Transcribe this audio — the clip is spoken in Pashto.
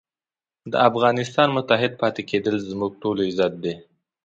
د افغانستان متحد پاتې کېدل زموږ ټولو عزت دی.